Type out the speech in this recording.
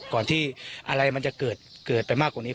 ก่อนที่อะไรมันจะเกิดเป็นบางที